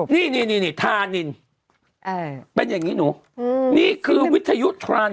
นี่ทำไมเป็นอย่างนี้หนูอืมนี้คือวิทยุ